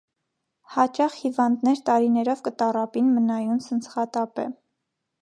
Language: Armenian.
Յաճախ հիւանդներ տարիներով կը տառապին մնայուն ցնցղատապէ։